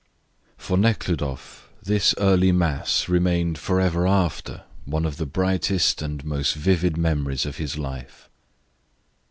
For Nekhludoff this early mass remained for ever after one of the brightest and most vivid memories of his life.